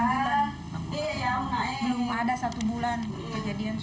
belum ada satu bulan kejadian